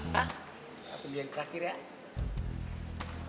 hah apa dia yang terakhir ya